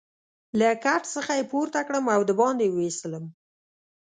له کټ څخه يې پورته کړم او دباندې يې وایستلم.